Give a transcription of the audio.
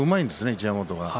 一山本は。